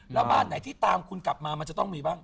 แล้วบ้านไหนที่ตามคุณกลับมามันจะต้องมีบ้าง